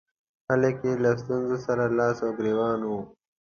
خلک یې له ستونزو سره لاس او ګرېوان وو.